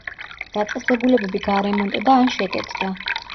დაწესებულებები გარემონტდა ან შეკეთდა.